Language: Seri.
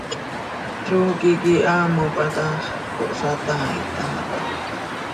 Trooqui quih haa mopa ta x, cohsataait haa hi.